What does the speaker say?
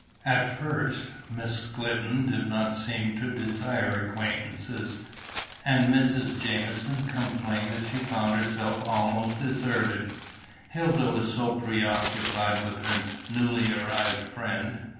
At first, Miss Glidden did not seem to desire acquaintances, and Mrs. Jamieson complained that she found herself almost deserted, Hilda was so preoccupied with her newly arrived friend.